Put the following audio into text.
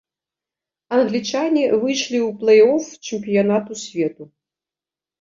Англічане выйшлі ў плэй-оф чэмпіянату свету.